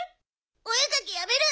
おえかきやめる！